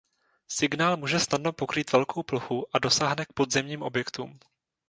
Signál může snadno pokrýt velkou plochu a dosáhne k podzemním objektům.